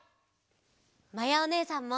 まやおねえさんも！